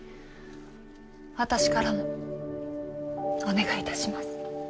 私からもお願いいたします。